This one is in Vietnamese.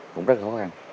cũng rất là khó khăn